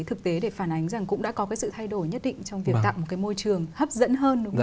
thực tế để phản ánh rằng cũng đã có cái sự thay đổi nhất định trong việc tạo một cái môi trường hấp dẫn hơn